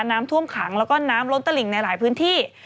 น้ำท่วมขังแล้วก็น้ำล้นตลิ่งในหลายพื้นที่